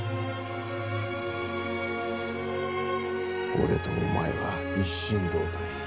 俺とお前は一心同体。